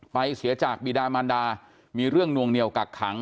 เสียจากบีดามันดามีเรื่องนวงเหนียวกักขัง